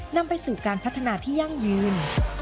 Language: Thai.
นำไปสู่การพัฒนาที่ยั่งยืน